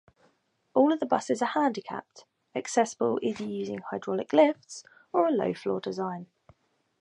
All of the buses are handicapped-accessible, either using hydraulic lifts or a low-floor design.